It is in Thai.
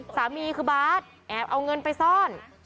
สามีคือบาทแอบเอาเงินไปซ่อน